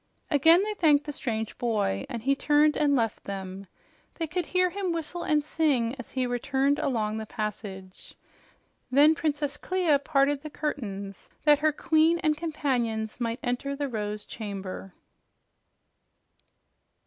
Again they thanked the strange boy, and he turned and left them. They could hear him whistle and sing as he returned along the passage. Then Princess Clia parted the curtains that her queen and companions might enter the Rose Chamber.